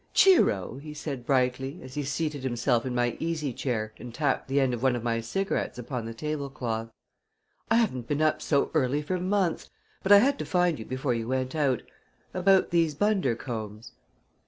"Cheero!" he said brightly as he seated himself in my easy chair and tapped the end of one of my cigarettes upon the tablecloth. "I haven't been up so early for months, but I had to find you before you went out about these Bundercombes."